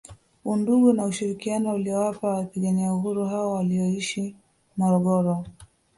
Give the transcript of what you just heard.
Undugu na ushirikiano waliowapa wapigania Uhuru hao walioishi Morogoro